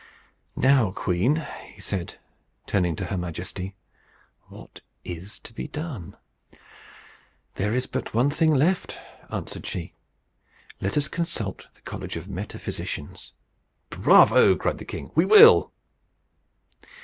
"Now, queen," he said, turning to her Majesty, "what is to be done?" "There is but one thing left," answered she. "Let us consult the college of Metaphysicians." "Bravo!" cried the king; "we will."